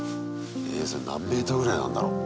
それ何メートルぐらいなんだろう。